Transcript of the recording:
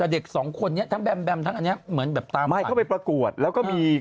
เด็กสองคนนี้ทั้งแบมแบมทั้งอันเนี้ยเหมือนแบบตามไม่เข้าไปประกวดแล้วก็มี